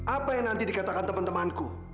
apa yang nanti dikatakan teman temanku